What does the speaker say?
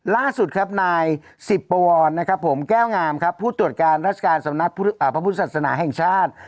ล่าสุดครับนายสิบปวรนะครับผมแก้วงามครับผู้ตรวจการราชการสำนักพระพุทธศาสนาแห่งชาติ